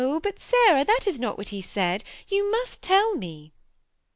but, Sarah, that is not whiU he said; yoo must tell me."